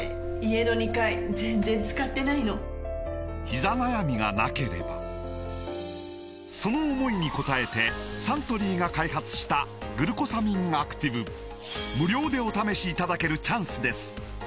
“ひざ悩み”がなければその思いに応えてサントリーが開発した「グルコサミンアクティブ」無料でお試しいただけるチャンスです